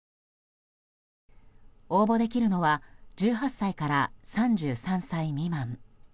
応募できるのは１８歳から３３歳未満。